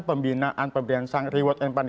pembinaan pemberian reward and punishment gak berjalan